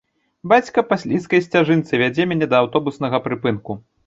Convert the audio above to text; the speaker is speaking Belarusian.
Бацька па слізкай сцяжынцы вядзе мяне да аўтобуснага прыпынку.